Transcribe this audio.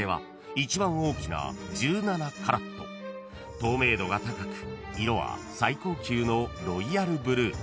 ［透明度が高く色は最高級のロイヤルブルー］